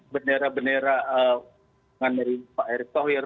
bendera bendera yang dari pak erick tohir